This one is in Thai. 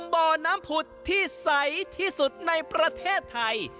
บ่อน้ำผุดที่ใสที่สุดในประเทศไทย